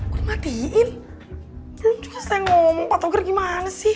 gue dimatiin belum juga saya ngomong pak togar gimana sih